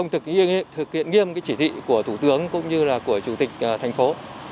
thực hiện nghiêm chỉ thị của thủ tướng cũng như là của chủ tịch thành phố